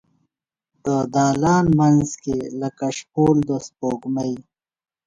د دالان مینځ کې لکه شپول د سپوږمۍ